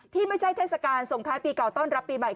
ที่ไม่ใช่เทศกาลส่งท้ายปีเก่าต้อนรับปีใหม่